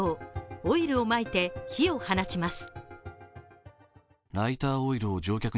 オイルをまいて火を放ちます。